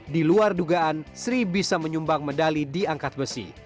di luar dugaan sri bisa menyumbang medali di angkat besi